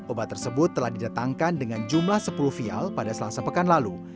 obat tersebut telah didatangkan dengan jumlah sepuluh vial pada selasa pekan lalu